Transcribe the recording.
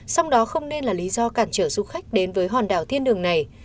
song đó không nên là lý do cản trở du khách đến với hòn đảo thiên đường này